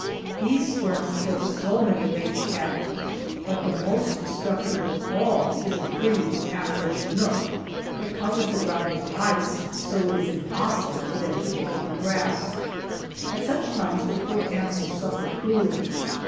These storms kill so many range cattle, but the most destructive of all is a freeze after a chinook, that covers the ground with ice so it is impossible for them to get to the grass. At such times the poor animals suffer cruelly.